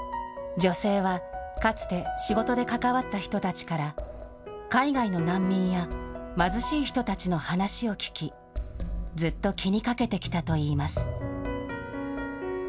女性は、かつて仕事で関わった人たちから、海外の難民や貧しい人たちの話を聞き、ずっと気にかけてきたといいます。